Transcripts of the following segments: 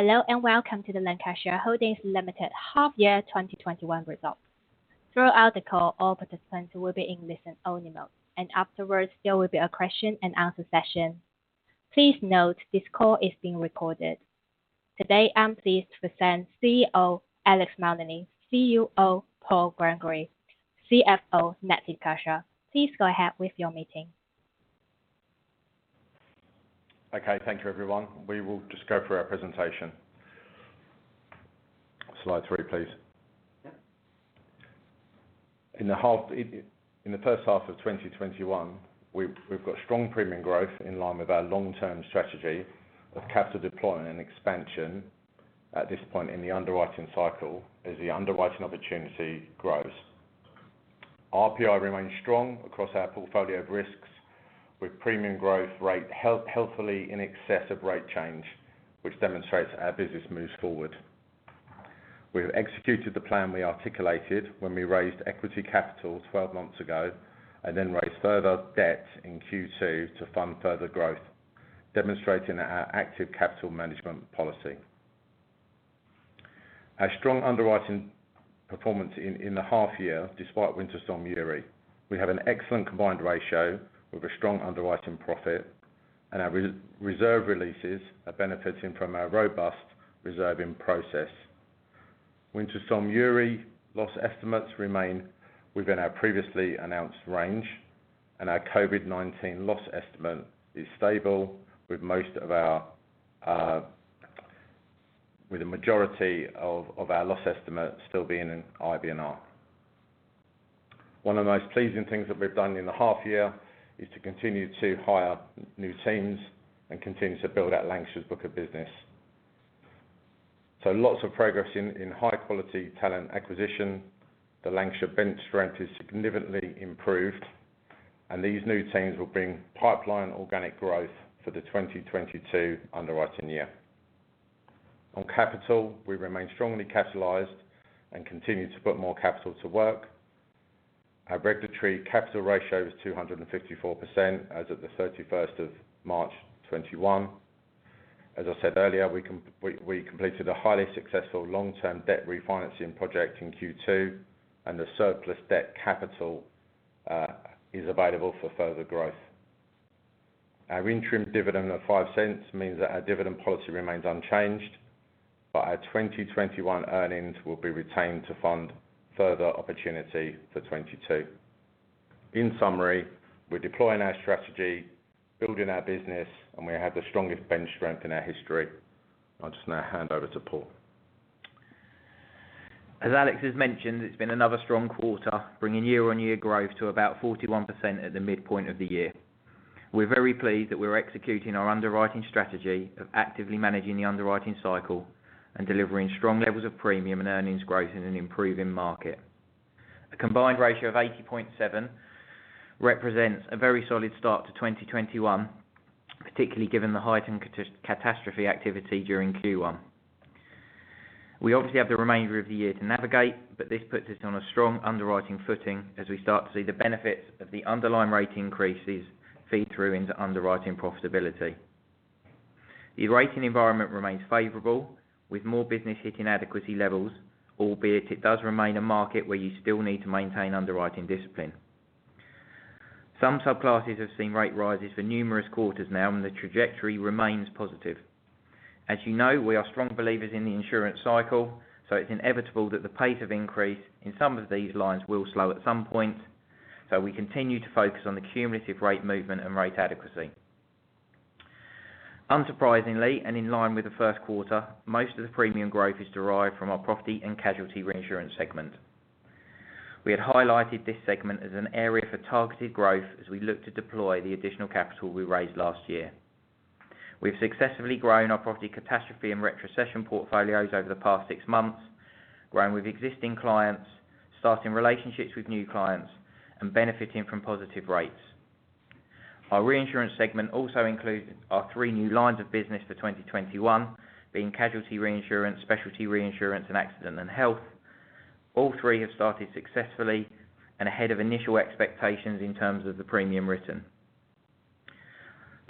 Hello, and Welcome to the Lancashire Holdings Limited Half Year 2021 results. Throughout the call, all participants will be in listen only mode. Afterwards, there will be a question and answer session. Please note this call is being recorded. Today, I'm pleased to present CEO Alex Maloney, CUO Paul Gregory, CFO Natalie Kershaw. Please go ahead with your meeting. Okay. Thank you, everyone. We will just go through our presentation. Slide three, please. Yeah. In the first half of 2021, we've got strong premium growth in line with our long-term strategy of capital deployment and expansion at this point in the underwriting cycle as the underwriting opportunity grows. RPI remains strong across our portfolio of risks with premium growth rate healthily in excess of rate change, which demonstrates our business moves forward. We've executed the plan we articulated when we raised equity capital 12 months ago and then raised further debt in Q2 to fund further growth, demonstrating our active capital management policy. Our strong underwriting performance in the half year despite Winter Storm Uri. We have an excellent combined ratio with a strong underwriting profit, and our reserve releases are benefiting from our robust reserving process. Winter Storm Uri loss estimates remain within our previously announced range. Our COVID-19 loss estimate is stable with a majority of our loss estimate still being in IBNR. One of the most pleasing things that we've done in the half year is to continue to hire new teams and continue to build out Lancashire's book of business. Lots of progress in high-quality talent acquisition. The Lancashire bench strength is significantly improved. These new teams will bring pipeline organic growth for the 2022 underwriting year. On capital, we remain strongly capitalized and continue to put more capital to work. Our regulatory capital ratio is 254% as of the 31st of March 2021. As I said earlier, we completed a highly successful long-term debt refinancing project in Q2. The surplus debt capital is available for further growth. Our interim dividend of $0.05 means that our dividend policy remains unchanged, but our 2021 earnings will be retained to fund further opportunity for 2022. In summary, we're deploying our strategy, building our business, and we have the strongest bench strength in our history. I'll just now hand over to Paul. As Alex has mentioned, it's been another strong quarter, bringing year-over-year growth to about 41% at the midpoint of the year. We're very pleased that we're executing our underwriting strategy of actively managing the underwriting cycle and delivering strong levels of premium and earnings growth in an improving market. A combined ratio of 80.7% represents a very solid start to 2021, particularly given the heightened catastrophe activity during Q1. We obviously have the remainder of the year to navigate, but this puts us on a strong underwriting footing as we start to see the benefits of the underlying rate increases feed through into underwriting profitability. The rating environment remains favorable with more business hitting adequacy levels, albeit it does remain a market where you still need to maintain underwriting discipline. Some subclasses have seen rate rises for numerous quarters now, and the trajectory remains positive. As you know, we are strong believers in the insurance cycle, so it's inevitable that the pace of increase in some of these lines will slow at some point. We continue to focus on the cumulative rate movement and rate adequacy. Unsurprisingly, and in line with the first quarter, most of the premium growth is derived from our property and casualty reinsurance segment. We had highlighted this segment as an area for targeted growth as we look to deploy the additional capital we raised last year. We've successfully grown our property catastrophe and retrocession portfolios over the past six months, growing with existing clients, starting relationships with new clients, and benefiting from positive rates. Our reinsurance segment also includes our three new lines of business for 2021, being casualty reinsurance, specialty reinsurance, and accident and health. All 3 have started successfully and ahead of initial expectations in terms of the premium written.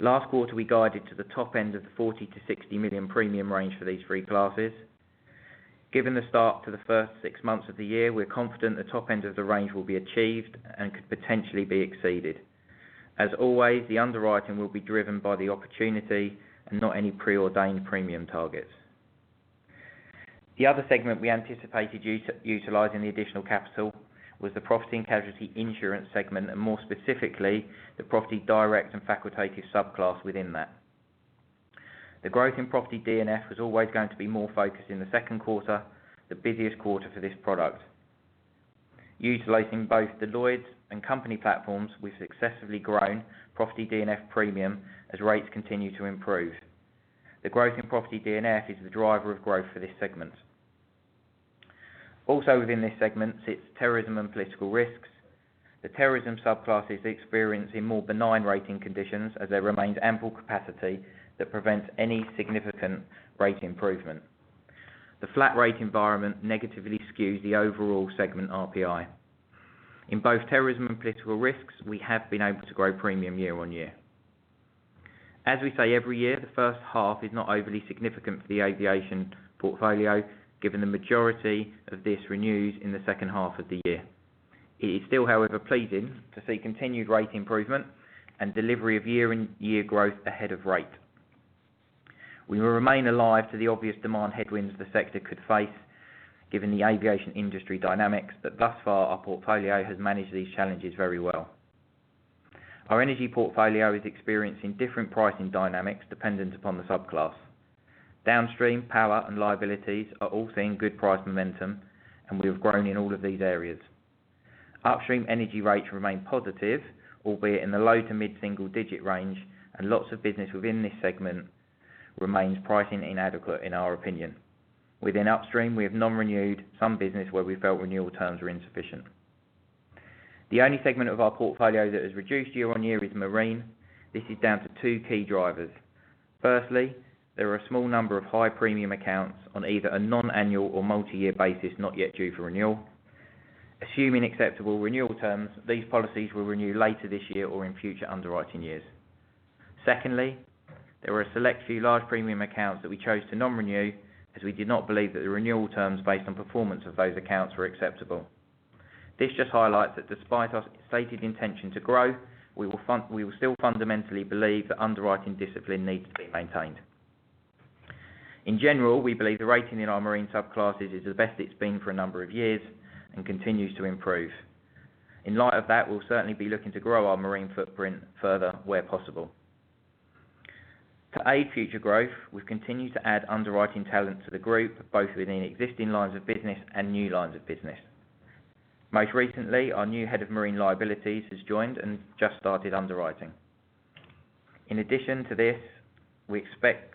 Last quarter, we guided to the top end of the $40 million-$60 million premium range for these three classes. Given the start to the 6 months of the year, we're confident the top end of the range will be achieved and could potentially be exceeded. As always, the underwriting will be driven by the opportunity and not any preordained premium targets. The other segment we anticipated utilizing the additional capital was the property and casualty insurance segment, and more specifically, the property D&F subclass within that. The growth in property D&F was always going to be more focused in the second quarter, the busiest quarter for this product. Utilizing both the Lloyd's and company platforms, we've successfully grown property D&F premium as rates continue to improve. The growth in property D&F is the driver of growth for this segment. Also within this segment sits terrorism and political risks. The terrorism subclass is experiencing more benign rating conditions as there remains ample capacity that prevents any significant rate improvement. The flat rate environment negatively skews the overall segment RPI. In both terrorism and political risks, we have been able to grow premium year-on-year. As we say every year, the first half is not overly significant for the aviation portfolio, given the majority of this renews in the second half of the year. It is still, however, pleasing to see continued rate improvement and delivery of year-on-year growth ahead of rate. We will remain alive to the obvious demand headwinds the sector could face, given the aviation industry dynamics, but thus far, our portfolio has managed these challenges very well. Our energy portfolio is experiencing different pricing dynamics dependent upon the subclass. Downstream power and liabilities are all seeing good price momentum, and we have grown in all of these areas. Upstream energy rates remain positive, albeit in the low to mid-single digit range, and lots of business within this segment remains pricing inadequate in our opinion. Within upstream, we have non-renewed some business where we felt renewal terms were insufficient. The only segment of our portfolio that has reduced year-on-year is marine. This is down to two key drivers. Firstly, there are a small number of high premium accounts on either a non-annual or multi-year basis not yet due for renewal. Assuming acceptable renewal terms, these policies will renew later this year or in future underwriting years. Secondly, there are a select few large premium accounts that we chose to non-renew, as we did not believe that the renewal terms based on performance of those accounts were acceptable. This just highlights that despite our stated intention to grow, we will still fundamentally believe that underwriting discipline needs to be maintained. In general, we believe the rating in our marine subclasses is the best it's been for a number of years and continues to improve. In light of that, we'll certainly be looking to grow our marine footprint further where possible. To aid future growth, we've continued to add underwriting talent to the group, both within existing lines of business and new lines of business. Most recently, our new head of marine liabilities has joined and just started underwriting. In addition to this, we expect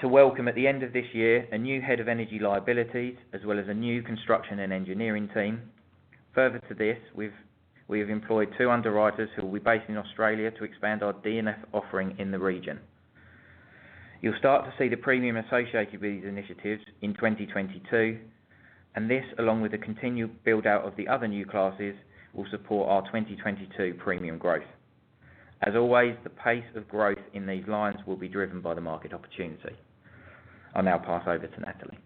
to welcome at the end of this year a new head of energy liabilities as well as a new construction and engineering team. Further to this, we have employed two underwriters who will be based in Australia to expand our D&F offering in the region. You'll start to see the premium associated with these initiatives in 2022, and this, along with the continued build out of the other new classes, will support our 2022 premium growth. As always, the pace of growth in these lines will be driven by the market opportunity. I'll now pass over to Natalie.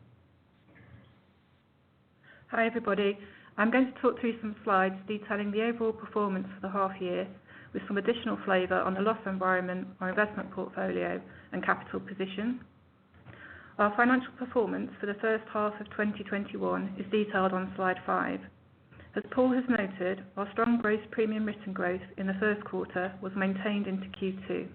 Hi, everybody. I'm going to talk through some slides detailing the overall performance for the half year with some additional flavor on the loss environment, our investment portfolio, and capital position. Our financial performance for the first half of 2021 is detailed on slide five. As Paul has noted, our strong gross premium written growth in the first quarter was maintained into Q2.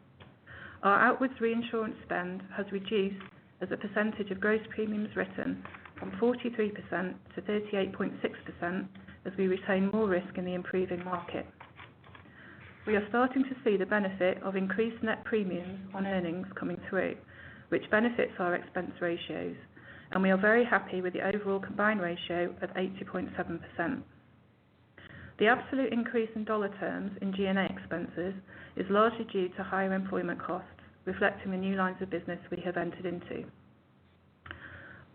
Our outwards reinsurance spend has reduced as a percentage of gross premiums written from 43%-38.6% as we retain more risk in the improving market. We are starting to see the benefit of increased net premiums on earnings coming through, which benefits our expense ratios. We are very happy with the overall combined ratio of 80.7%. The absolute increase in dollar terms in G&A expenses is largely due to higher employment costs, reflecting the new lines of business we have entered into.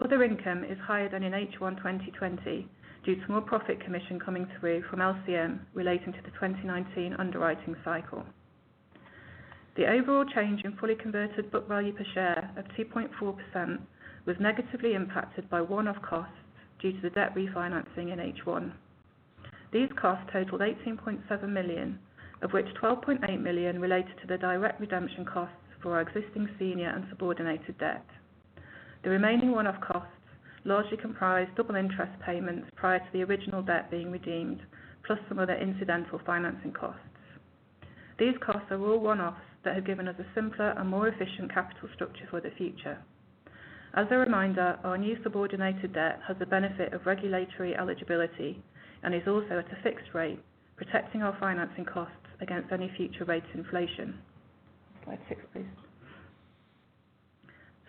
Other income is higher than in H1 2020 due to more profit commission coming through from LCM relating to the 2019 underwriting cycle. The overall change in fully converted book value per share of 2.4% was negatively impacted by one-off costs due to the debt refinancing in H1. These costs totaled $18.7 million, of which $12.8 million related to the direct redemption costs for our existing senior and subordinated debt. The remaining one-off costs largely comprised double interest payments prior to the original debt being redeemed, plus some other incidental financing costs. These costs are all one-offs that have given us a simpler and more efficient capital structure for the future. As a reminder, our new subordinated debt has the benefit of regulatory eligibility and is also at a fixed rate, protecting our financing costs against any future rates inflation. Slide six, please.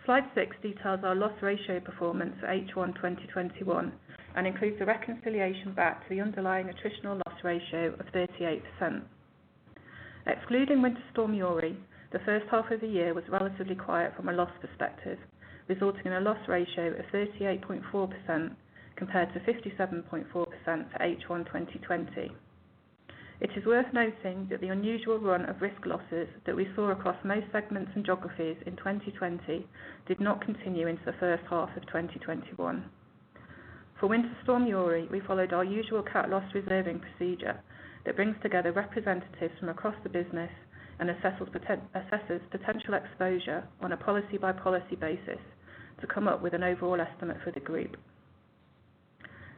Slide six details our loss ratio performance for H1 2021 and includes the reconciliation back to the underlying attritional loss ratio of 38%. Excluding Winter Storm Uri, the first half of the year was relatively quiet from a loss perspective, resulting in a loss ratio of 38.4% compared to 57.4% for H1 2020. It is worth noting that the unusual run of risk losses that we saw across most segments and geographies in 2020 did not continue into the first half of 2021. For Winter Storm Uri, we followed our usual cat loss reserving procedure that brings together representatives from across the business and assesses potential exposure on a policy by policy basis to come up with an overall estimate for the group.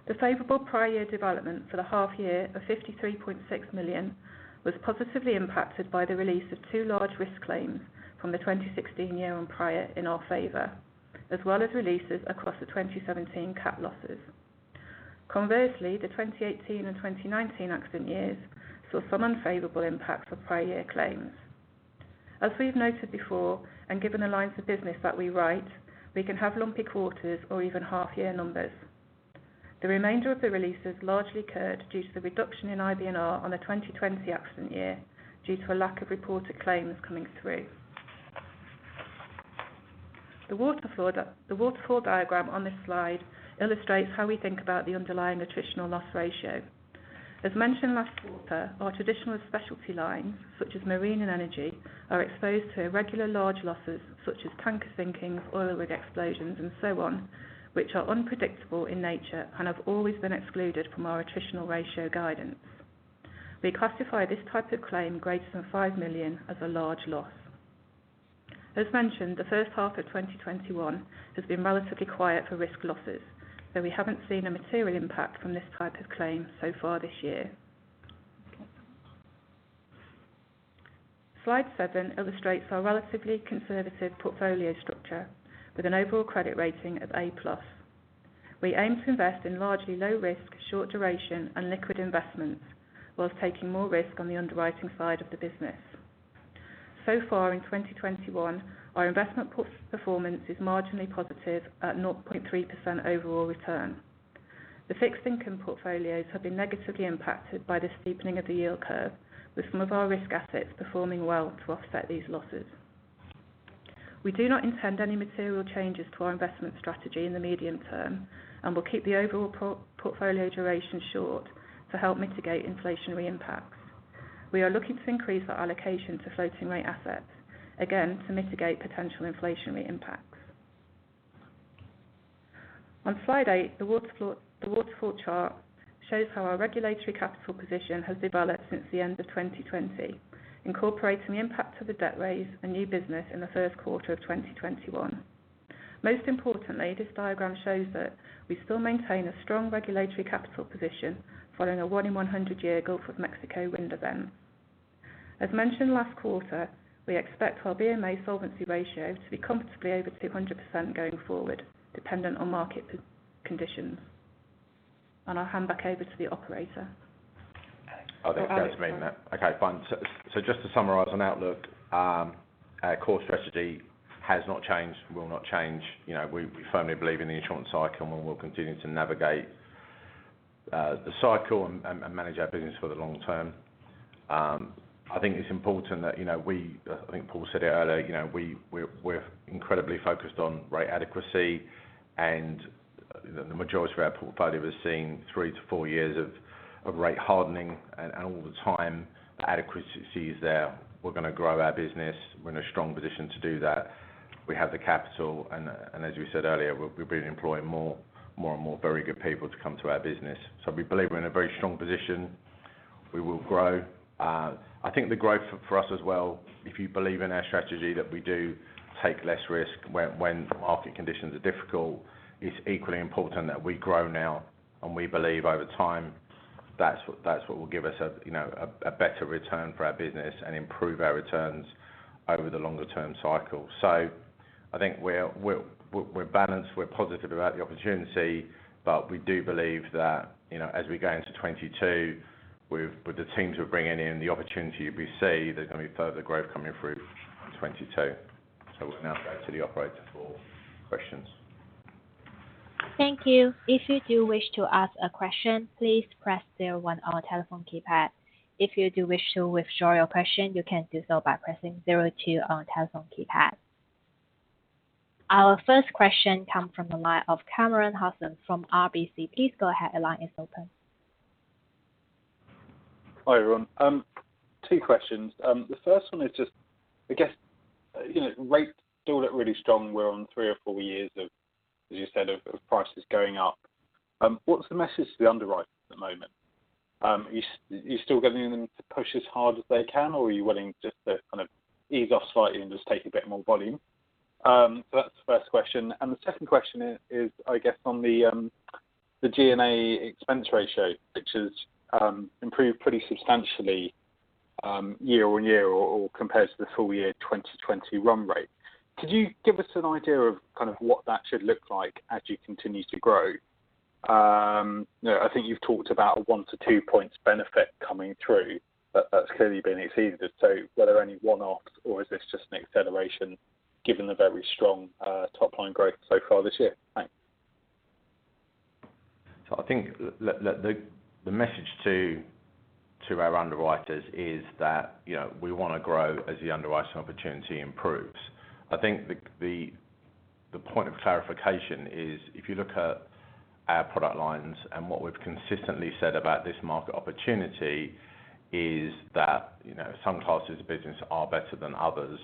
The favorable prior year development for the half year of 53.6 million was positively impacted by the release of two large risk claims from the 2016 year and prior in our favor, as well as releases across the 2017 cat losses. Conversely, the 2018 and 2019 accident years saw some unfavorable impact for prior year claims. As we've noted before, given the lines of business that we write, we can have lumpy quarters or even half year numbers. The remainder of the releases largely occurred due to the reduction in IBNR on the 2020 accident year due to a lack of reported claims coming through. The waterfall diagram on this slide illustrates how we think about the underlying attritional loss ratio. As mentioned last quarter, our traditional specialty lines, such as marine and energy, are exposed to irregular large losses such as tanker sinkings, oil rig explosions, and so on, which are unpredictable in nature and have always been excluded from our attritional ratio guidance. We classify this type of claim greater than 5 million as a large loss. As mentioned, the first half of 2021 has been relatively quiet for risk losses, we haven't seen a material impact from this type of claim so far this year. Slide seven illustrates our relatively conservative portfolio structure with an overall credit rating of A-plus. We aim to invest in largely low risk, short duration, and liquid investments, while taking more risk on the underwriting side of the business. Far in 2021, our investment performance is marginally positive at 0.3% overall return. The fixed income portfolios have been negatively impacted by the steepening of the yield curve, with some of our risk assets performing well to offset these losses. We do not intend any material changes to our investment strategy in the medium term, and will keep the overall portfolio duration short to help mitigate inflationary impacts. We are looking to increase our allocation to floating rate assets, again, to mitigate potential inflationary impacts. On slide eight, the waterfall chart shows how our regulatory capital position has developed since the end of 2020, incorporating the impact of the debt raise and new business in the first quarter of 2021. Most importantly, this diagram shows that we still maintain a strong regulatory capital position following a one in 100 year Gulf of Mexico wind event. As mentioned last quarter, we expect our BMA solvency ratio to be comfortably over 200% going forward, dependent on market conditions. I'll hand back over to the operator. I think that's me, isn't it? Okay, fine. Just to summarize on outlook, our core strategy has not changed, will not change. We firmly believe in the insurance cycle and we'll continue to navigate the cycle and manage our business for the long term. I think it's important that we, I think Paul said it earlier, we're incredibly focused on rate adequacy and the majority of our portfolio has seen three to four years of rate hardening. All the time, adequacy is there. We're going to grow our business. We're in a strong position to do that. We have the capital, and as we said earlier, we've been employing more and more very good people to come to our business. We believe we're in a very strong position. We will grow. I think the growth for us as well, if you believe in our strategy, that we do take less risk when market conditions are difficult. It's equally important that we grow now, and we believe over time, that's what will give us a better return for our business and improve our returns over the longer term cycle. I think we're balanced, we're positive about the opportunity, but we do believe that as we go into 2022, with the teams we're bringing in, the opportunity we see, there's going to be further growth coming through in 2022. We'll now go to the operator for questions. Thank you. If you do wish to ask a question, please press zero one on your telephone keypad. If you do wish to withdraw your question, you can do so by pressing zero two on your telephone keypad. Our first question comes from the line of Kamran Hossain from RBC. Please go ahead. Your line is open. Hi, everyone. Two questions. The first one, rates do look really strong. We're on three or four years of, as you said, of prices going up. What's the message to the underwriter at the moment? Are you still getting them to push as hard as they can, or are you willing to ease off slightly and take a bit more volume? That's the first question. The second question is on the G&A expense ratio, which has improved pretty substantially year-over-year or compared to the full-year 2020 run rate. Could you give us an idea of what that should look like as you continue to grow? I think you've talked about a one to two points benefit coming through, that's clearly been exceeded. Were there any one-offs or is this just an acceleration given the very strong top line growth so far this year? Thanks. I think the message to our underwriters is that we want to grow as the underwriting opportunity improves. I think the point of clarification is if you look at our product lines and what we've consistently said about this market opportunity is that some classes of business are better than others.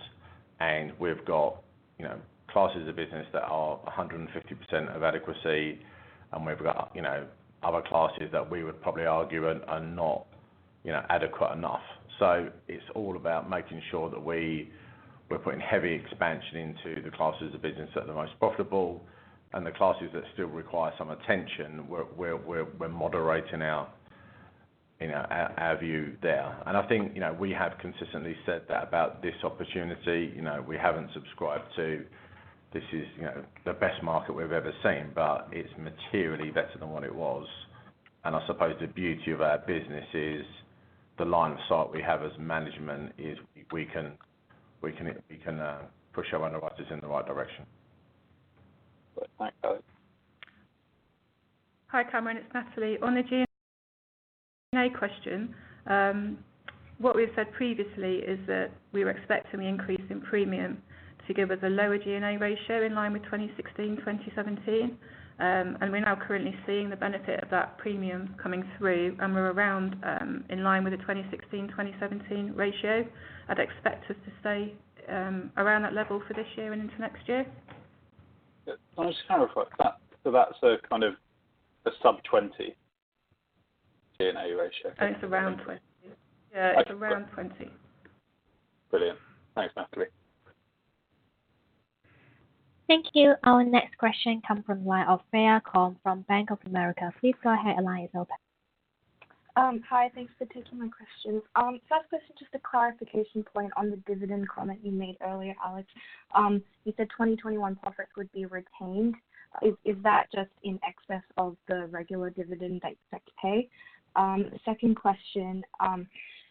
We've got classes of business that are 150% of adequacy, and we've got other classes that we would probably argue are not adequate enough. It's all about making sure that we're putting heavy expansion into the classes of business that are the most profitable, and the classes that still require some attention, we're moderating our view there. I think we have consistently said that about this opportunity. We haven't subscribed to, this is the best market we've ever seen, but it's materially better than what it was. I suppose the beauty of our business is the line of sight we have as management is we can push our underwriters in the right direction. Thanks, Alex. Hi, Kamran, it's Natalie. On the G&A question, what we've said previously is that we were expecting the increase in premium to give us a lower G&A ratio in line with 2016, 2017. We're now currently seeing the benefit of that premium coming through, and we're around in line with the 2016, 2017 ratio. I'd expect us to stay around that level for this year and into next year. Can I just clarify that? That's a sub 20 G&A ratio. It's around 20. Yeah, it's around 20. Brilliant. Thanks, Natalie. Thank you. Our next question comes from the line of Andrea D'Souza from Bank of America. Please go ahead, your line is open. Hi, thanks for taking my questions. 1st question, just a clarification point on the dividend comment you made earlier, Alex. You said 2021 profits would be retained. Is that just in excess of the regular dividend that you expect to pay? 2nd question.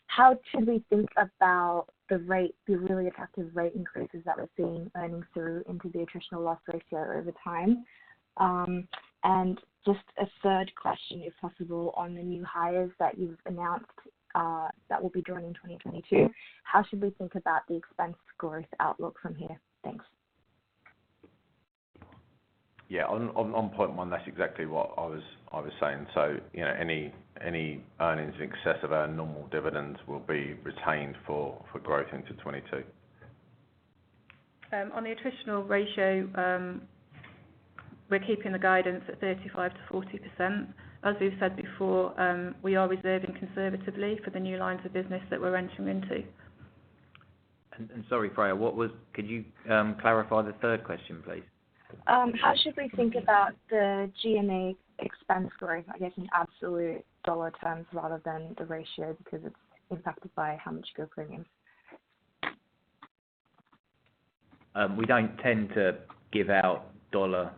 How should we think about the really effective rate increases that we're seeing earning through into the attritional loss ratio over time? Just a 3rd question, if possible, on the new hires that you've announced that will be joining in 2022. How should we think about the expense growth outlook from here? Thanks. Yeah. On point one, that's exactly what I was saying. Any earnings in excess of our normal dividends will be retained for growth into 2022. On the attritional ratio, we're keeping the guidance at 35%-40%. As we've said before, we are reserving conservatively for the new lines of business that we're entering into. Sorry, Andrea, could you clarify the third question, please? How should we think about the G&A expense growth, I guess in absolute dollar terms rather than the ratio, because it's impacted by how much your premium. We don't tend to give out dollar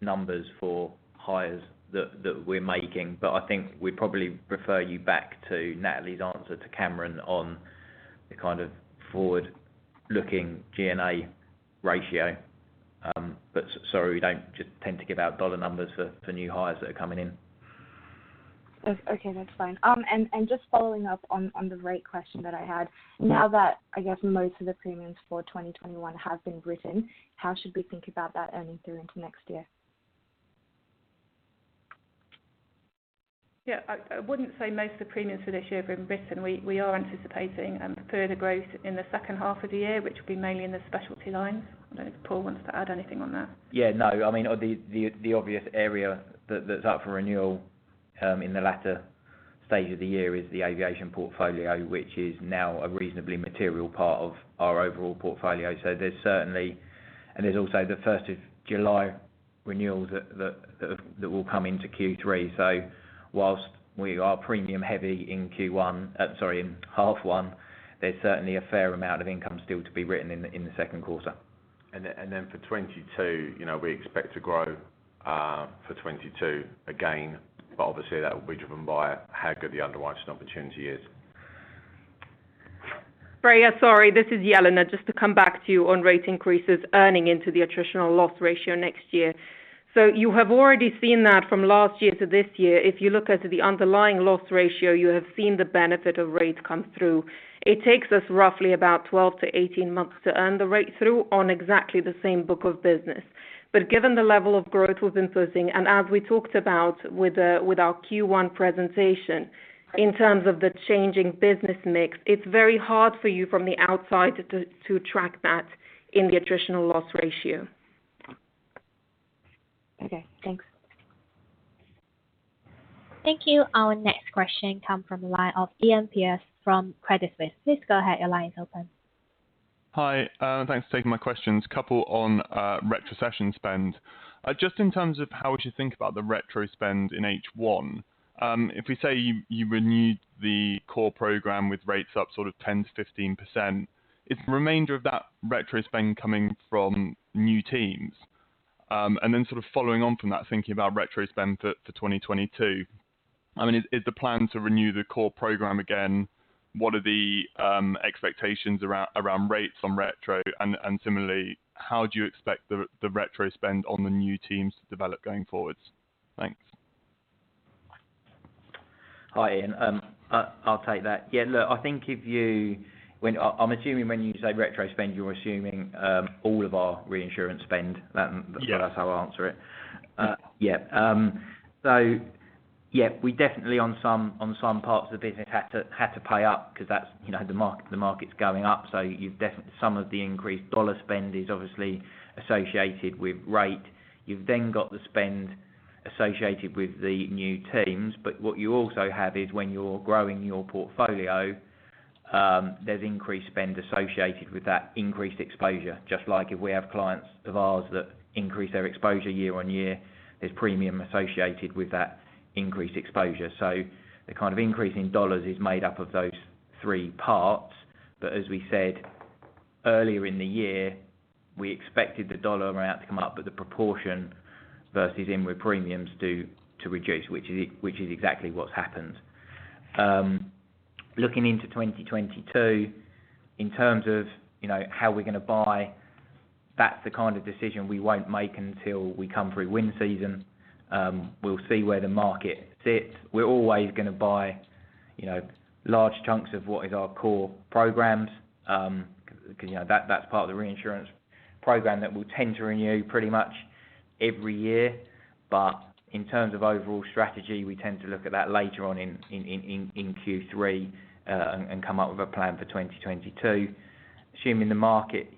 numbers for hires that we're making, but I think we'd probably refer you back to Natalie's answer to Kamran on the forward-looking G&A ratio. Sorry, we don't just tend to give out dollar numbers for new hires that are coming in. Okay, that's fine. Just following up on the rate question that I had. Now that, I guess most of the premiums for 2021 have been written, how should we think about that earning through into next year? Yeah, I wouldn't say most of the premiums for this year have been written. We are anticipating further growth in the second half of the year, which will be mainly in the specialty lines. I don't know if Paul wants to add anything on that. Yeah, no, the obvious area that's up for renewal in the latter stage of the year is the aviation portfolio, which is now a reasonably material part of our overall portfolio. There's also the 1st of July renewals that will come into Q3. While we are premium heavy in half one, there's certainly a fair amount of income still to be written in the second quarter. For 2022, we expect to grow for 2022 again, but obviously that will be driven by how good the underwriting opportunity is. Andrea, sorry, this is Jelena. To come back to you on rate increases earning into the attritional loss ratio next year. You have already seen that from last year to this year. If you look at the underlying loss ratio, you have seen the benefit of rates come through. It takes us roughly about 12-18 months to earn the rate through on exactly the same book of business. Given the level of growth we've been seeing, and as we talked about with our Q1 presentation, in terms of the changing business mix, it's very hard for you from the outside to track that in the attritional loss ratio. Okay, thanks. Thank you. Our next question comes from the line of Ivan Bokhmat from Credit Suisse. Please go ahead. Your line is open. Hi. Thanks for taking my questions. A couple on retrocession spend. Just in terms of how would you think about the retro spend in H1. If we say you renewed the core program with rates up sort of 10%-15%, is the remainder of that retro spend coming from new teams? Then sort of following on from that thinking about retro spend for 2022, is the plan to renew the core program again? What are the expectations around rates on retro? Similarly, how do you expect the retro spend on the new teams to develop going forwards? Thanks. Hi, Ivan. I'll take that. Yeah, look, I'm assuming when you say retro spend, you're assuming all of our reinsurance spend. Yeah. That's how I'll answer it. Yeah. Yeah, we definitely on some parts of the business had to pay up because the market's going up. Some of the increased dollar spend is obviously associated with rate. You've then got the spend associated with the new teams. What you also have is when you're growing your portfolio, there's increased spend associated with that increased exposure. Just like if we have clients of ours that increase their exposure year-on-year, there's premium associated with that increased exposure. The kind of increase in dollars is made up of those three parts. As we said earlier in the year, we expected the dollar amount to come up, but the proportion versus inward premiums due to reduce, which is exactly what's happened. Looking into 2022, in terms of how we're going to buy. That's the kind of decision we won't make until we come through wind season. We'll see where the market sits. We're always going to buy large chunks of what is our core programs. That's part of the reinsurance program that we tend to renew pretty much every year. In terms of overall strategy, we tend to look at that later on in Q3, and come up with a plan for 2022. Assuming the market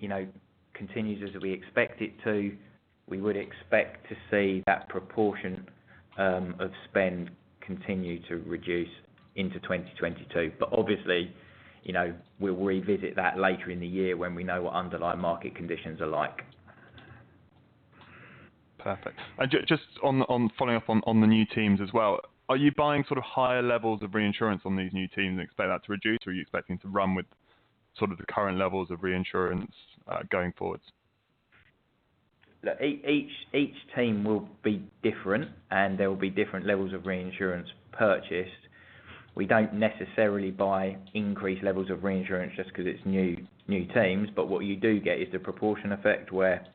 continues as we expect it to, we would expect to see that proportion of spend continue to reduce into 2022. Obviously, we'll revisit that later in the year when we know what underlying market conditions are like. Perfect. Just following up on the new teams as well, are you buying higher levels of reinsurance on these new teams and expect that to reduce? Or are you expecting to run with the current levels of reinsurance going forwards? Look, each team will be different, and there will be different levels of reinsurance purchased. We don't necessarily buy increased levels of reinsurance just because it's new teams. What you do get is the proportion effect, where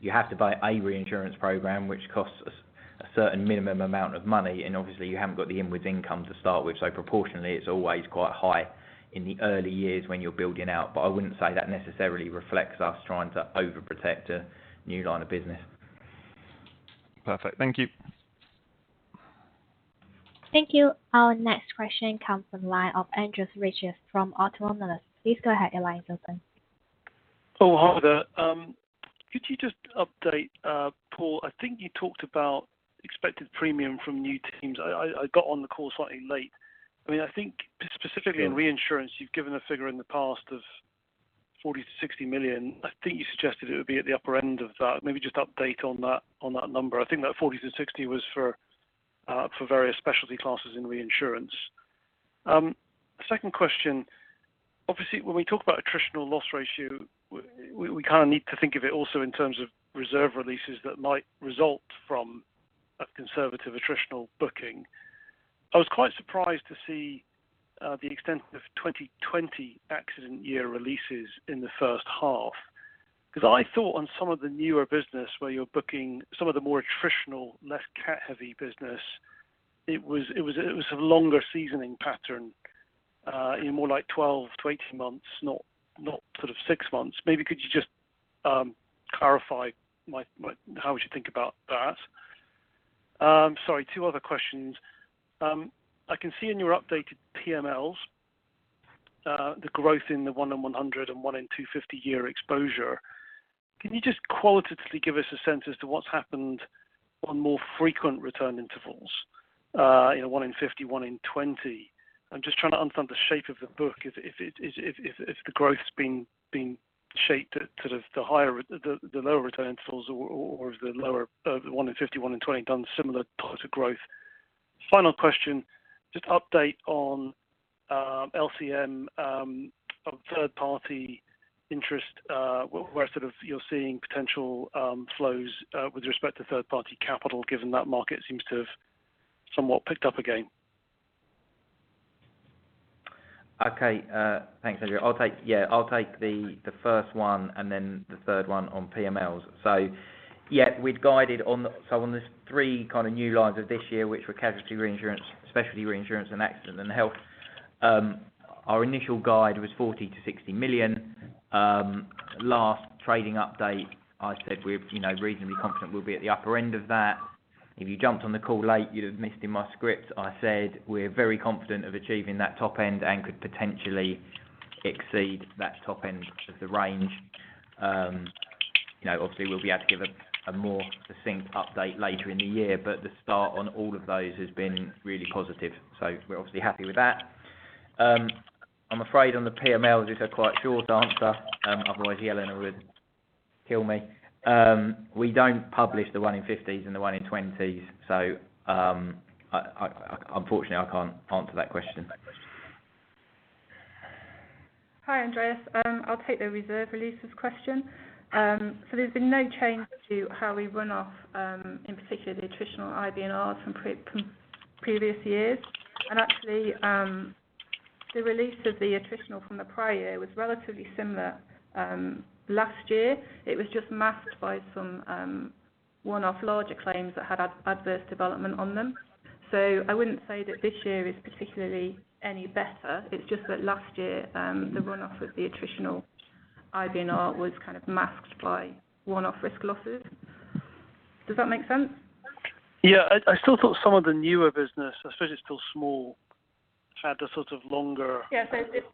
you have to buy a reinsurance program, which costs us a certain minimum amount of money. Obviously you haven't got the inwards income to start with, so proportionately it's always quite high in the early years when you're building out. I wouldn't say that necessarily reflects us trying to overprotect a new line of business. Perfect. Thank you. Thank you. Our next question comes from the line of Andrew Crean from Autonomous Research. Please go ahead. Your line's open. Oh, hi there. Could you just update, Paul, I think you talked about expected premium from new teams. I got on the call slightly late. Yeah In reinsurance, you've given a figure in the past of $40 million-$60 million. I think you suggested it would be at the upper end of that. Just update on that number. I think that 40-60 was for various specialty classes in reinsurance. Second question, obviously, when we talk about attritional loss ratio, we need to think of it also in terms of reserve releases that might result from a conservative attritional booking. I was quite surprised to see the extent of 2020 accident year releases in the first half. I thought on some of the newer business where you're booking some of the more attritional, less cat-heavy business, it was a longer seasoning pattern, more like 12-18 months, not six months. Could you just clarify how we should think about that? Sorry, two other questions. I can see in your updated PMLs the growth in the one in 100 and 1 in 250 year exposure. Can you just qualitatively give us a sense as to what's happened on more frequent return intervals? one in 50, one in 20. I'm just trying to understand the shape of the book. If the growth's been shaped at the lower return intervals, or has the one in 50, one in 20 done similar types of growth. Final question, just update on LCM, of third party interest, where you're seeing potential flows with respect to third party capital, given that market seems to have somewhat picked up again. Okay. Thanks, Andrew. I'll take the first one and then the third one on PMLs. Yeah, on the three new lines of this year, which were casualty reinsurance, specialty reinsurance, and accident and health, our initial guide was 40 million-60 million. Last trading update, I said we're reasonably confident we'll be at the upper end of that. If you jumped on the call late, you'd have missed in my script, I said we're very confident of achieving that top end and could potentially exceed that top end of the range. Obviously we'll be able to give a more succinct update later in the year, the start on all of those has been really positive. We're obviously happy with that. I'm afraid on the PMLs it's a quite short answer. Otherwise, Jelena would kill me. We don't publish the one in 50s and the one in 20s. Unfortunately, I can't answer that question. Hi, Andrew. I'll take the reserve releases question. There's been no change to how we run off, in particular the attritional IBNRs from previous years. Actually, the release of the attritional from the prior year was relatively similar. Last year, it was just masked by some one-off larger claims that had adverse development on them. I wouldn't say that this year is particularly any better. It's just that last year, the run-off of the attritional IBNR was masked by one-off risk losses. Does that make sense? Yeah. I still thought some of the newer business, I suppose it's still small, had a longer- Yeah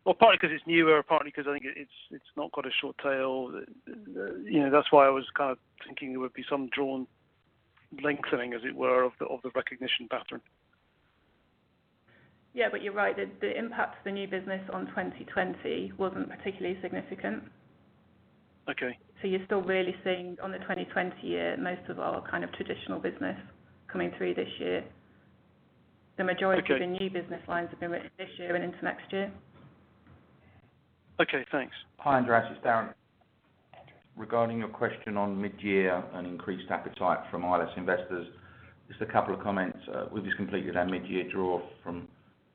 Well, partly because it's newer, partly because I think it's not got a short tail. That's why I was thinking there would be some drawn lengthening, as it were, of the recognition pattern. Yeah. You're right. The impact of the new business on 2020 wasn't particularly significant. Okay. You're still really seeing on the 2020 year most of our traditional business coming through this year. Okay Of the new business lines have been this year and into next year. Okay, thanks. Hi, Andrew. It's Darren. Regarding your question on mid-year and increased appetite from ILS investors, just a couple of comments. We've just completed our mid-year draw from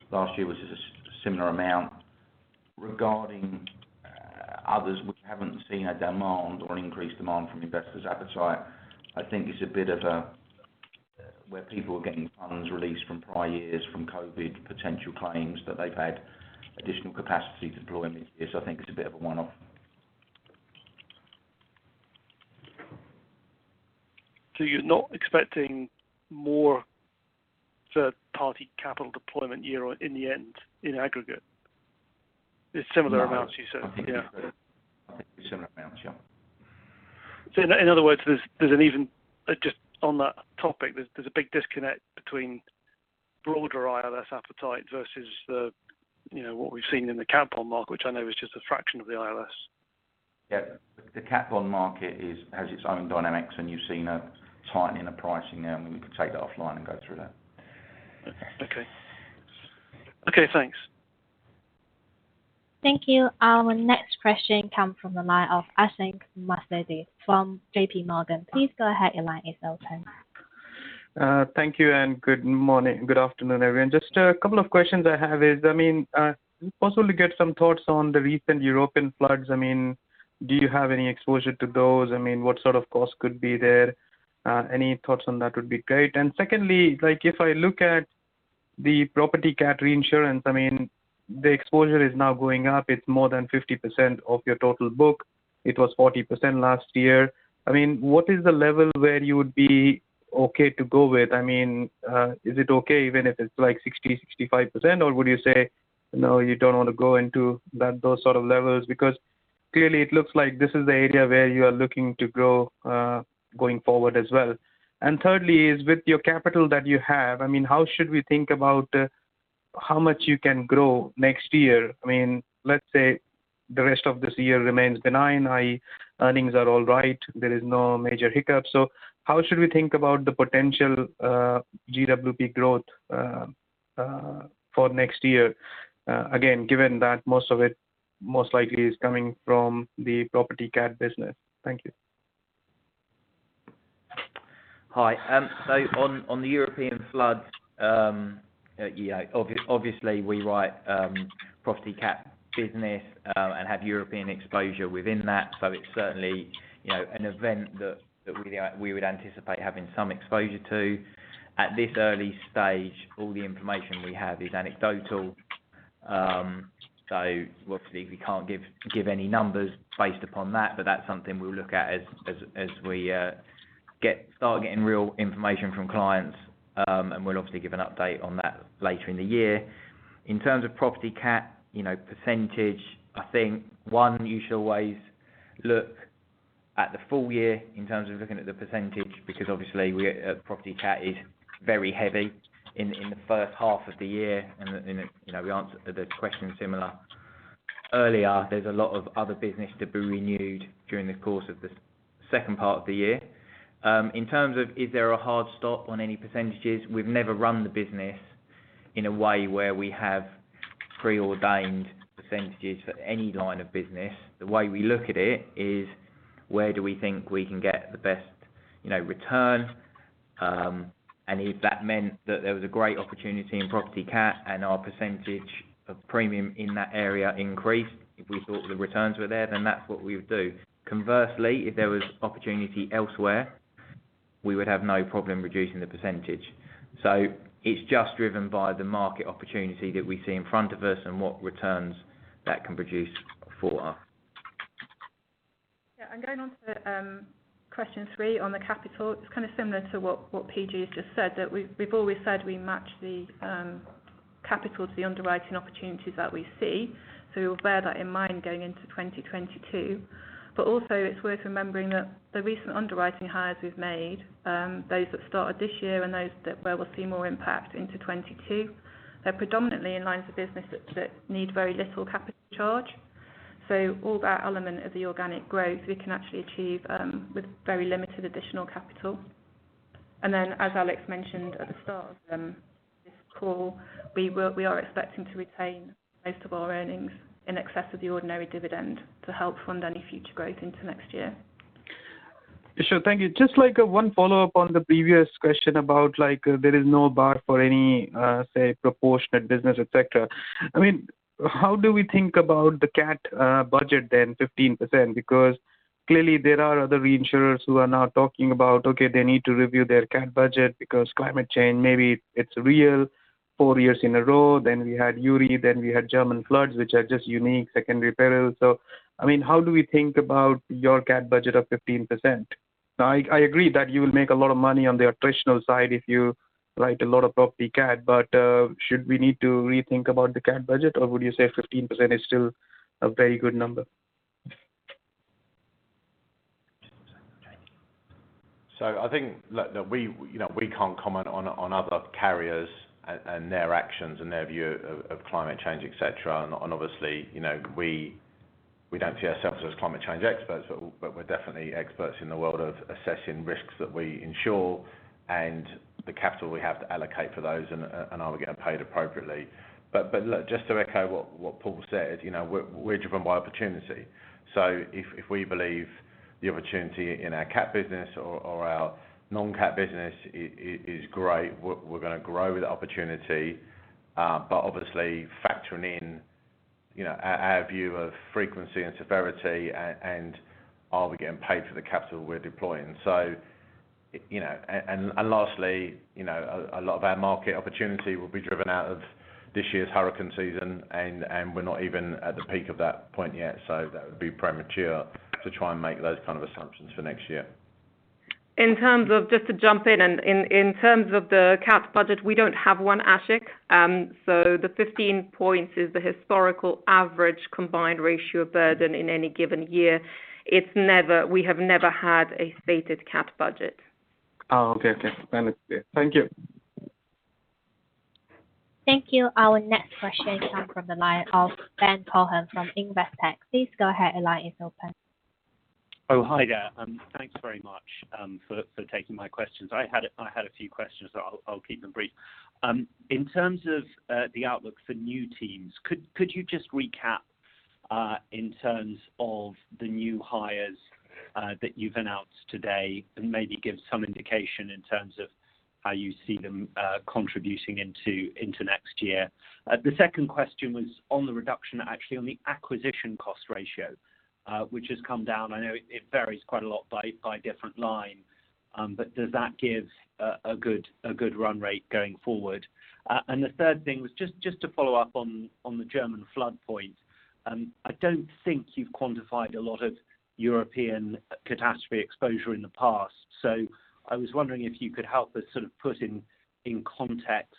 Last year was just a similar amount. Regarding others, we haven't seen a demand or an increased demand from investors' appetite. I think it's a bit of a where people are getting funds released from prior years from COVID potential claims that they've had additional capacity deployment this year. I think it's a bit of a one-off. You're not expecting more third-party capital deployment year in the end, in aggregate? It's similar amounts you said. No. I think similar amounts, yeah. In other words, just on that topic, there's a big disconnect between broader ILS appetite versus what we've seen in the cat bond market, which I know is just a fraction of the ILS. Yeah. The cat bond market has its own dynamics, and you've seen a tightening of pricing there, and we could take that offline and go through that. Okay. Okay, thanks. Thank you. Our next question come from the line of Ashik Musaddi from JPMorgan. Please go ahead. Your line is open. Thank you. Good morning. Good afternoon, everyone. Just a couple of questions I have is, possibly get some thoughts on the recent European floods. Do you have any exposure to those? What sort of cost could be there? Any thoughts on that would be great. Secondly, if I look at the property cat reinsurance, the exposure is now going up. It's more than 50% of your total book. It was 40% last year. What is the level where you would be okay to go with? Is it okay even if it's like 60%, 65%? Would you say, no, you don't want to go into those sort of levels? Clearly it looks like this is the area where you are looking to grow going forward as well. Thirdly is with your capital that you have, how should we think about how much you can grow next year? Let's say the rest of this year remains benign. Earnings are all right. There is no major hiccup. How should we think about the potential GWP growth for next year? Again, given that most of it, most likely is coming from the property cat business. Thank you. Hi. On the European floods, obviously we write property cat business and have European exposure within that. It's certainly an event that we would anticipate having some exposure to. At this early stage, all the information we have is anecdotal. Obviously we can't give any numbers based upon that, but that's something we'll look at as we start getting real information from clients. We'll obviously give an update on that later in the year. In terms of property cat percentage, I think, one, you should always look at the full year in terms of looking at the percentage, because obviously property cat is very heavy in the first half of the year. We answered the question similar earlier. There's a lot of other business to be renewed during the course of the second part of the year. In terms of is there a hard stop on any percentages, we've never run the business in a way where we have preordained percentages for any line of business. The way we look at it is where do we think we can get the best return. If that meant that there was a great opportunity in property cat and our percentage of premium in that area increased, if we thought the returns were there, that's what we would do. Conversely, if there was opportunity elsewhere, we would have no problem reducing the percentage. It's just driven by the market opportunity that we see in front of us and what returns that can produce for us. Yeah. Going on to question three on the capital. It's kind of similar to what PG has just said, that we've always said we match the capital to the underwriting opportunities that we see. We will bear that in mind going into 2022. Also it's worth remembering that the recent underwriting hires we've made, those that started this year and those where we'll see more impact into 2022, they're predominantly in lines of business that need very little capital charge. All that element of the organic growth we can actually achieve with very limited additional capital. As Alex mentioned at the start of this call, we are expecting to retain most of our earnings in excess of the ordinary dividend to help fund any future growth into next year. Sure. Thank you. Just one follow-up on the previous question about there is no bar for any, say, proportionate business, et cetera. How do we think about the cat budget then, 15%? Clearly there are other reinsurers who are now talking about, okay, they need to review their cat budget because climate change, maybe it's real four years in a row. We had Uri, then we had German floods, which are just unique secondary perils. How do we think about your cat budget of 15%? Now, I agree that you will make a lot of money on the attritional side if you write a lot of property cat, but should we need to rethink about the cat budget, or would you say 15% is still a very good number? I think look, we can't comment on other carriers and their actions and their view of climate change, et cetera. Obviously, we don't see ourselves as climate change experts, but we're definitely experts in the world of assessing risks that we insure and the capital we have to allocate for those, and are we getting paid appropriately. Look, just to echo what Paul said, we're driven by opportunity. If we believe the opportunity in our cat business or our non-cat business is great, we're going to grow with the opportunity. Obviously factoring in our view of frequency and severity, and are we getting paid for the capital we're deploying. Lastly, a lot of our market opportunity will be driven out of this year's hurricane season, and we're not even at the peak of that point yet. That would be premature to try and make those kind of assumptions for next year. Just to jump in terms of the cat budget, we don't have one, Ashik. The 15 points is the historical average combined ratio burden in any given year. We have never had a stated cat budget. Oh, okay. Understood. Thank you. Thank you. Our next question comes from the line of Ben Cohen from Investec. Please go ahead. Your line is open. Oh, hi there. Thanks very much for taking my questions. I had a few questions, so I'll keep them brief. In terms of the outlook for new teams, could you just recap in terms of the new hires that you've announced today, and maybe give some indication in terms of how you see them contributing into next year? The second question was on the reduction, actually, on the acquisition cost ratio, which has come down. I know it varies quite a lot by different lines. Does that give a good run rate going forward? The third thing was just to follow up on the German flood point. I don't think you've quantified a lot of European catastrophe exposure in the past. I was wondering if you could help us put in context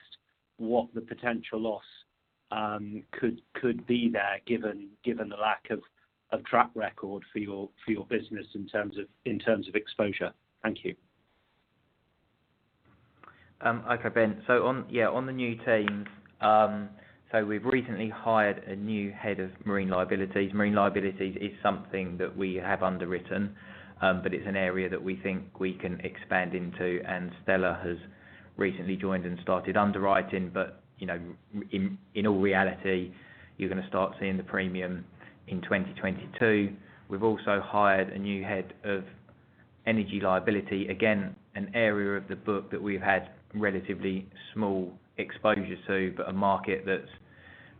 what the potential loss could be there given the lack of a track record for your business in terms of exposure. Thank you. Okay, Ben. On the new teams, we've recently hired a new Head of Marine Liabilities. Marine Liabilities is something that we have underwritten, but it's an area that we think we can expand into, and Stella has recently joined and started underwriting. In all reality, you're going to start seeing the premium in 2022. We've also hired a new Head of Energy Liability. An area of the book that we've had relatively small exposure to, but a market that's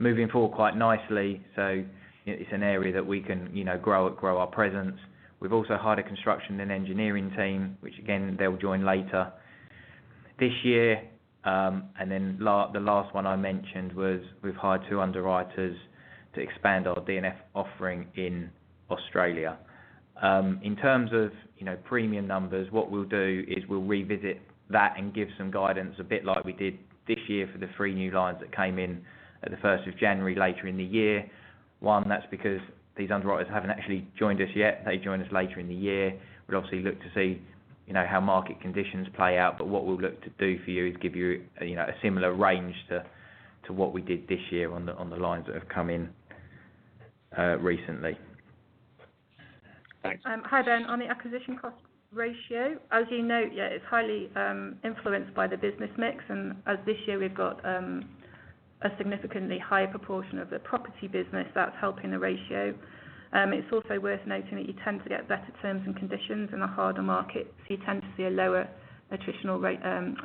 moving forward quite nicely. It's an area that we can grow our presence. We've also hired a construction and engineering team, which again, they'll join later this year. The last one I mentioned was we've hired two underwriters to expand our D&F offering in Australia. In terms of premium numbers, what we'll do is we'll revisit that and give some guidance a bit like we did this year for the three new lines that came in at the 1st of January later in the year. One. That's because these underwriters haven't actually joined us yet. They join us later in the year. We'd obviously look to see how market conditions play out. What we'll look to do for you is give you a similar range to what we did this year on the lines that have come in recently. Thanks. Hi, Ben. On the acquisition cost ratio, as you note, yeah, it's highly influenced by the business mix. As this year we've got a significantly higher proportion of the property business that's helping the ratio. It's also worth noting that you tend to get better terms and conditions in a harder market, so you tend to see a lower attritional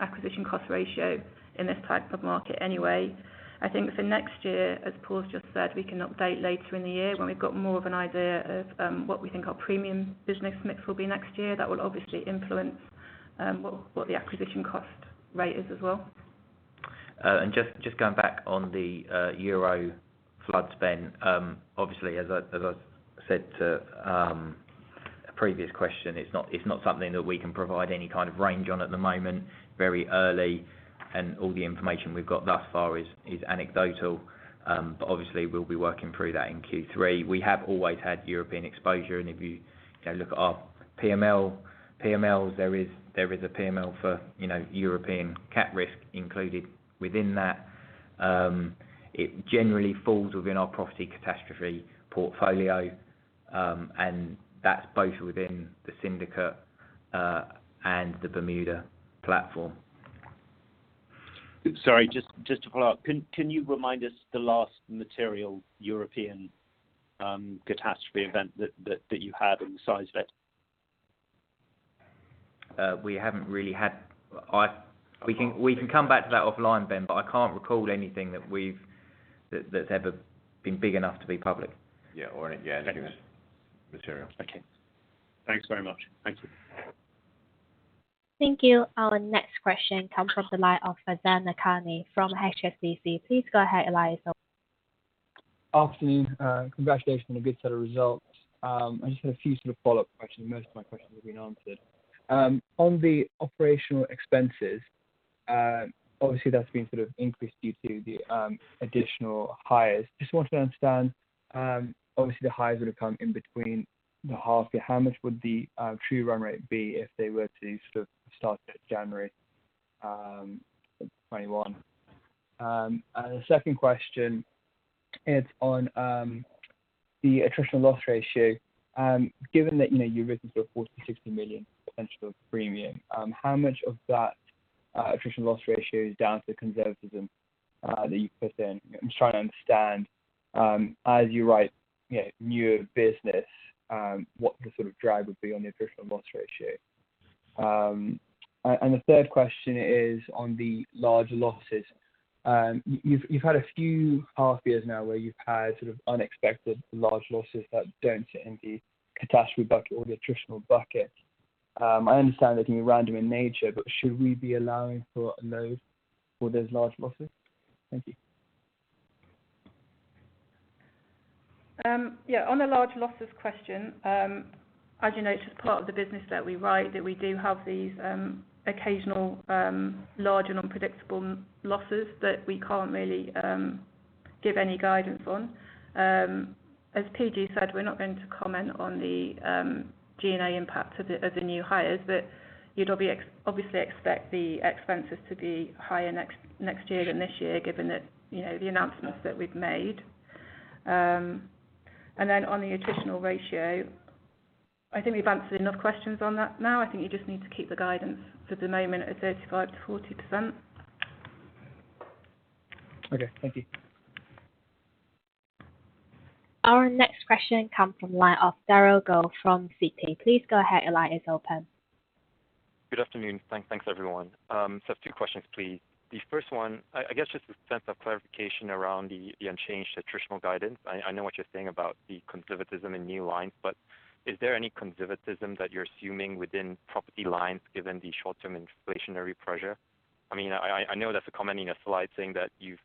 acquisition cost ratio in this type of market anyway. I think for next year, as Paul's just said, we can update later in the year when we've got more of an idea of what we think our premium business mix will be next year. That will obviously influence what the acquisition cost rate is as well. Just going back on the Euro floods, Ben, obviously as I said to a previous question, it's not something that we can provide any kind of range on at the moment. Very early, and all the information we've got thus far is anecdotal. Obviously we'll be working through that in Q3. We have always had European exposure, and if you look at our PMLs, there is a PML for European cat risk included within that. It generally falls within our property catastrophe portfolio, and that's both within the syndicate, and the Bermuda platform. Sorry, just to follow up. Can you remind us the last material European catastrophe event that you had and the size of it? We can come back to that offline, Ben, but I can't recall anything that's ever been big enough to be public. Yeah. Any, yeah, I think it was material. Okay. Thanks very much. Thank you. Thank you. Our next question comes from the line of Fahad Changazi from HSBC. Please go ahead. Your line is open. Afternoon. Congratulations on a good set of results. I just had a few follow-up questions. Most of my questions have been answered. On the operational expenses, obviously that's been increased due to the additional hires. Just wanted to understand, obviously the hires would have come in between the half year. How much would the true run rate be if they were to start January 2021? The second question is on the attritional loss ratio. Given that you've written 40 million-60 million potential premium, how much of that attritional loss ratio is down to the conservatism that you put in? I'm just trying to understand, as you write newer business, what the sort of drag would be on the attritional loss ratio. The third question is on the large losses. You've had a few half years now where you've had sort of unexpected large losses that don't sit in the catastrophe bucket or the attritional bucket. I understand they can be random in nature, but should we be allowing for those large losses? Thank you. On the large losses question, as you know, it's just part of the business that we write that we do have these occasional large and unpredictable losses that we can't really give any guidance on. As PG said, we're not going to comment on the G&A impact of the new hires, but you'd obviously expect the expenses to be higher next year than this year, given the announcements that we've made. On the attritional ratio, I think we've answered enough questions on that now. I think you just need to keep the guidance for the moment at 35%-40%. Okay. Thank you. Our next question comes from the line of Darryl Goh from CP. Please go ahead. Your line is open. Good afternoon. Thanks, everyone. Two questions, please. The 1st one, I guess just a sense of clarification around the unchanged attritional guidance. I know what you're saying about the conservatism in new lines, is there any conservatism that you're assuming within property lines given the short-term inflationary pressure? I know that's a comment in a slide saying that you've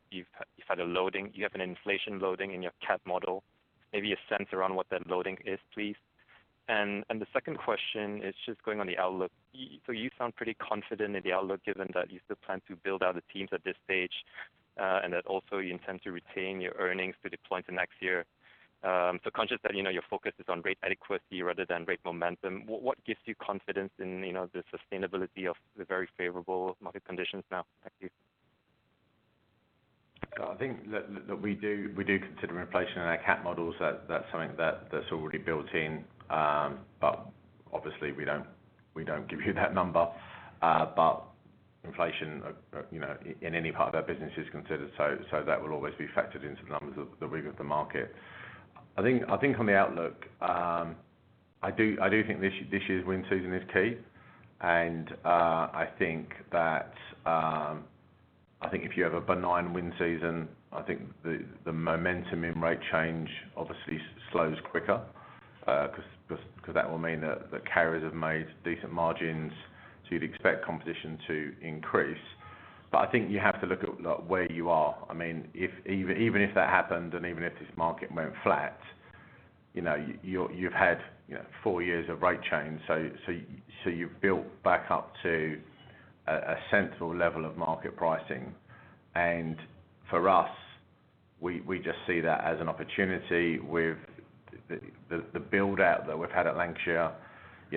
had a loading, you have an inflation loading in your cat model. Maybe a sense around what that loading is, please. The 2nd question is just going on the outlook. You sound pretty confident in the outlook given that you still plan to build out the teams at this stage, and that also you intend to retain your earnings to deploy into next year. Conscious that your focus is on rate adequacy rather than rate momentum. What gives you confidence in the sustainability of the very favorable market conditions now? Thank you. I think that we do consider inflation in our cat models. That's something that's already built in. Obviously we don't give you that number. Inflation in any part of our business is considered, so that will always be factored into the numbers that we give the market. I think on the outlook, I do think this year's wind season is key, and I think if you have a benign wind season, I think the momentum in rate change obviously slows quicker, because that will mean that the carriers have made decent margins, so you'd expect competition to increase. I think you have to look at where you are. Even if that happened, and even if this market went flat, you've had four years of rate change. You've built back up to a sensible level of market pricing. For us, we just see that as an opportunity with the build-out that we've had at Lancashire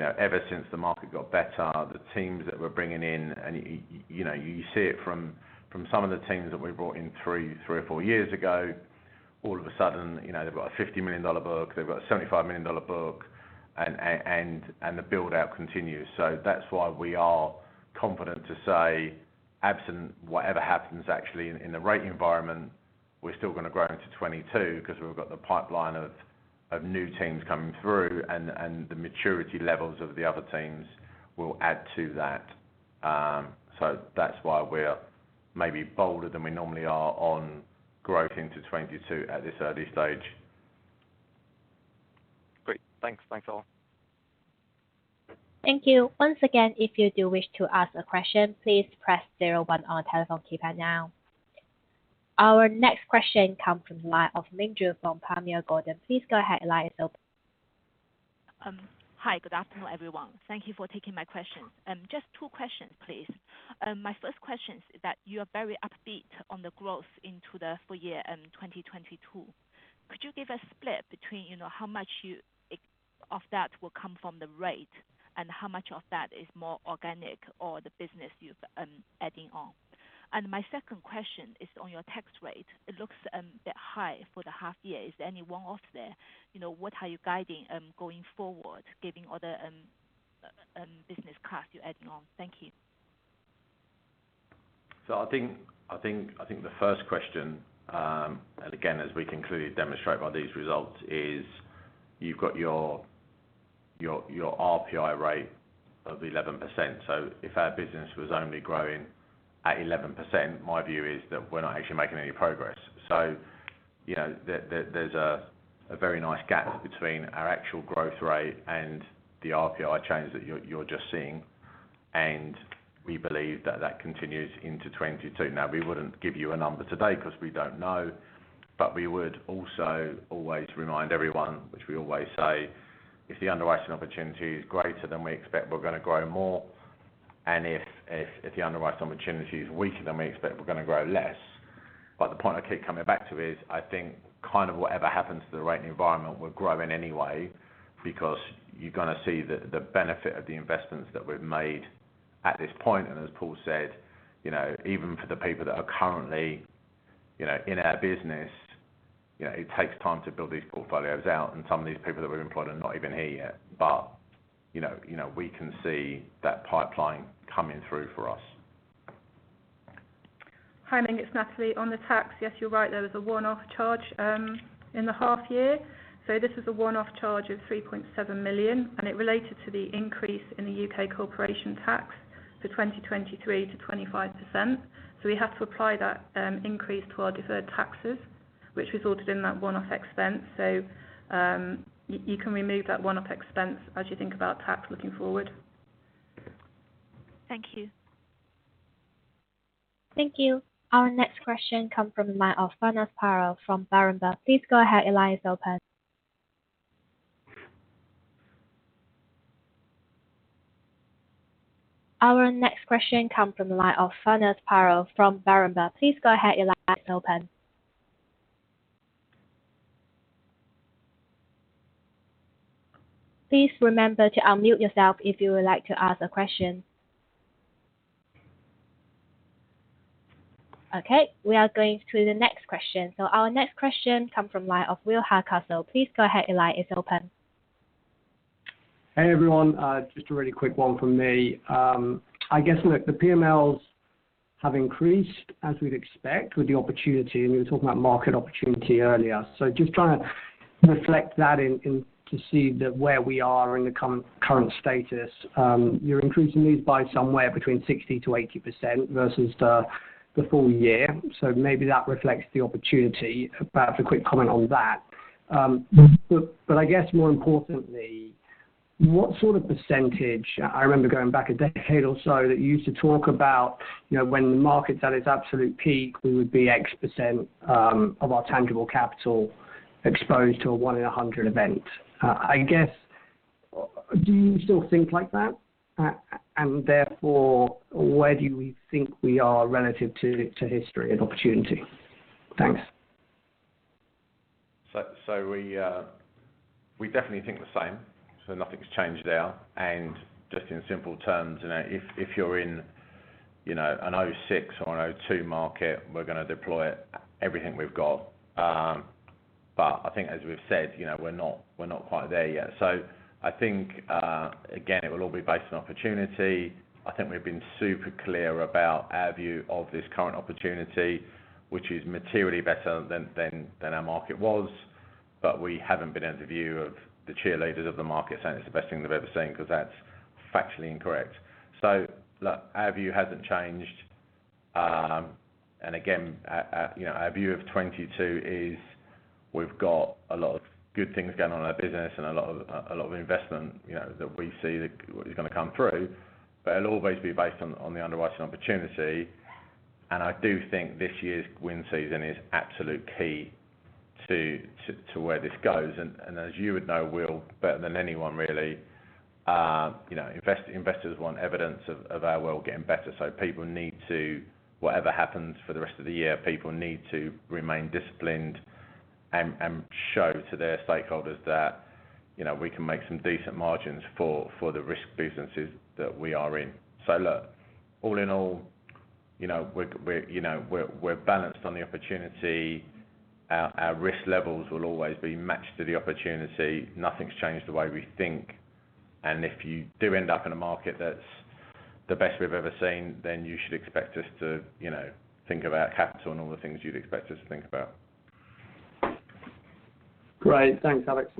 ever since the market got better, the teams that we're bringing in, and you see it from some of the teams that we brought in three or four years ago. All of a sudden, they've got a GBP 50 million book, they've got a GBP 75 million book. The build-out continues. That's why we are confident to say absent whatever happens actually in the rating environment, we're still going to grow into 2022 because we've got the pipeline of new teams coming through, and the maturity levels of the other teams will add to that. That's why we're maybe bolder than we normally are on growth into 2022 at this early stage. Great. Thanks a lot. Thank you. Our next question comes from the line of Ming Zhu from Panmure Gordon. Please go ahead. Your line is open. Hi. Good afternoon, everyone. Thank you for taking my question. Just two questions, please. My 1st question is that you are very upbeat on the growth into the full year in 2022. Could you give a split between how much of that will come from the rate and how much of that is more organic or the business you're adding on? My 2nd question is on your tax rate. It looks a bit high for the half year. Is there any one-off there? What are you guiding going forward, giving other business class you're adding on? Thank you. I think the first question, and again, as we concluded, demonstrated by these results, is you've got your RPI rate of 11%. If our business was only growing at 11%, my view is that we're not actually making any progress. There's a very nice gap between our actual growth rate and the RPI change that you're just seeing, and we believe that that continues into 2022. We wouldn't give you a number today because we don't know, but we would also always remind everyone, which we always say, if the underwriting opportunity is greater than we expect, we're going to grow more. If the underwriting opportunity is weaker than we expect, we're going to grow less. The point I keep coming back to is I think kind of whatever happens to the rating environment, we're growing anyway because you're going to see the benefit of the investments that we've made at this point. As Paul said, even for the people that are currently in our business, it takes time to build these portfolios out. Some of these people that we've employed are not even here yet. We can see that pipeline coming through for us. Hi, Ming, it's Natalie. On the tax, yes, you're right. There was a one-off charge in the half year. This is a one-off charge of 3.7 million, and it related to the increase in the U.K. corporation tax for 2023 to 25%. We have to apply that increase to our deferred taxes, which was recorded in that one-off expense. You can remove that one-off expense as you think about tax looking forward. Thank you. Thank you. Our next question come from the line of Farnaz Firoozi from Berenberg. Please go ahead, your line is open. Please remember to unmute yourself if you would like to ask a question. Okay, we are going to the next question. Our next question come from line of Will Hardcastle. Please go ahead. Your line is open. Hey, everyone. Just a really quick one from me. I guess, look, the PMLs have increased as we'd expect with the opportunity, and we were talking about market opportunity earlier. Just trying to reflect that to see that where we are in the current status. You're increasing these by somewhere between 60%-80% versus the full year. Maybe that reflects the opportunity. Perhaps a quick comment on that. I guess more importantly, what sort of I remember going back a decade or so that you used to talk about when the market's at its absolute peak, we would be X% of our tangible capital exposed to a one in 100 event. I guess, do you still think like that? Therefore, where do we think we are relative to history and opportunity? Thanks. We definitely think the same. Nothing's changed there. Just in simple terms, if you're in an 06 or an 02 market, we're going to deploy everything we've got. I think, as we've said, we're not quite there yet. I think, again, it will all be based on opportunity. I think we've been super clear about our view of this current opportunity, which is materially better than our market was. We haven't been of the view of the cheerleaders of the market saying it's the best thing they've ever seen, because that's factually incorrect. Look, our view hasn't changed. Again, our view of 2022 is we've got a lot of good things going on in our business and a lot of investment, that we see that is going to come through. It'll always be based on the underwriting opportunity. I do think this year's wind season is absolute key to where this goes. As you would know, Will, better than anyone really, investors want evidence of our world getting better. People need to, whatever happens for the rest of the year, people need to remain disciplined and show to their stakeholders that we can make some decent margins for the risk businesses that we are in. Look, all in all, we're balanced on the opportunity. Our risk levels will always be matched to the opportunity. Nothing's changed the way we think. If you do end up in a market that's the best we've ever seen, then you should expect us to think about capital and all the things you'd expect us to think about. Great. Thanks, Alex.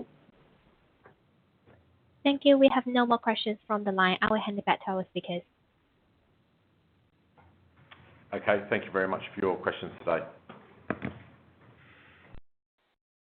Thank you. We have no more questions from the line. I will hand it back to our speakers. Okay. Thank you very much for your questions today.